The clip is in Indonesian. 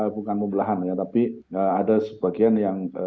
bukan pembelahan ya tapi ada sebagian yang